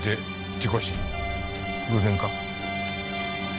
偶然か？